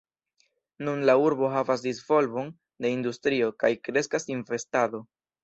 Nun la urbo havas disvolvon de industrio, kaj kreskas investado.